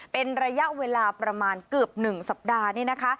เป็นระยะเวลาประมาณเกือบ๑สัปดาห์นี่นะคะ